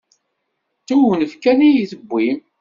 D tewnef kan i y-iwwin.